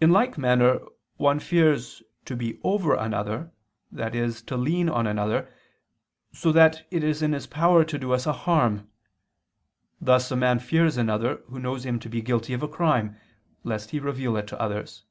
In like manner one fears to be over another, i.e. to lean on another, so that it is in his power to do us a harm: thus a man fears another, who knows him to be guilty of a crime, lest he reveal it to others.